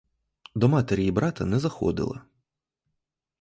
До матері і брата не заходила.